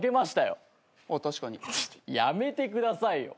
やめてくださいよ。